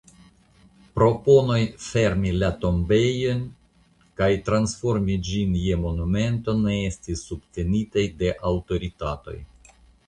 Proponoj fermi la tombejon kaj transformi ĝin je monumento ne estis subtenitaj de aŭtoritatoj.